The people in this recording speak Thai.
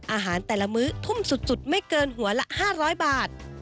อาหารแต่ละมื้อทุ่มสุดไม่เกินหัวละ๕๐๐บาท